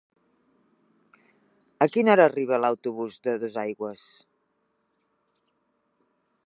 A quina hora arriba l'autobús de Dosaigües?